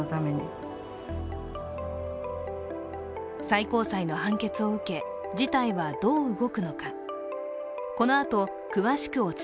最高裁の判決を受け、事態はどう動くのか。